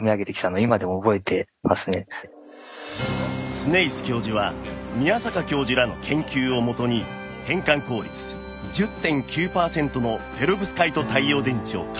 スネイス教授は宮坂教授らの研究をもとに変換効率 １０．９ パーセントのペロブスカイト太陽電池を開発